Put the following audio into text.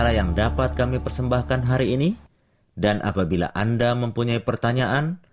sampai jumpa di video selanjutnya